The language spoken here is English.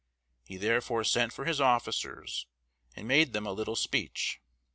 He therefore sent for his officers, and made them a little speech.